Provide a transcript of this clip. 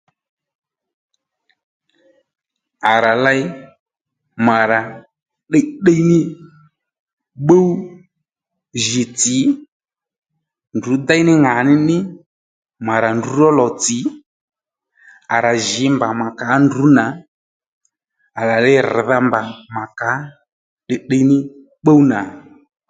À rà ley mà rà tdiytdiy ní pbúw djì tsì ndrǔ déy ní ŋǎníní mà rà ndrǔ ró lò tsì à rà jǐ mbà mà kà ó ndrǔ nà à rà li rr̀dha mbà mà kà ó tdiytdiy ní pbúw nà